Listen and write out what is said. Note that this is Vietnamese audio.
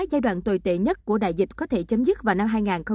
giai đoạn tồi tệ nhất của đại dịch có thể chấm dứt vào năm hai nghìn hai mươi